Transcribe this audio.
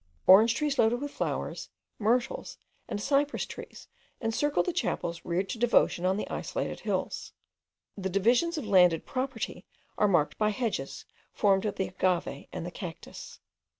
Orange trees loaded with flowers, myrtles, and cypress trees encircle the chapels reared to devotion on the isolated hills. The divisions of landed property are marked by hedges formed of the agave and the cactus.